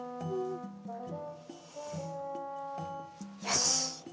よし！